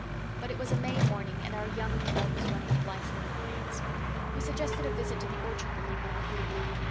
But it was a May morning, and our young blood was running blithely in our veins. We suggested a visit to the orchard would be more agreeable.